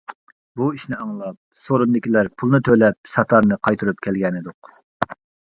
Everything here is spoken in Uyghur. بۇ ئىشنى ئاڭلاپ، سورۇندىكىلەر پۇلنى تۆلەپ ساتارنى قايتۇرۇپ كەلگەنىدۇق.